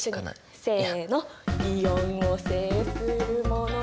せの。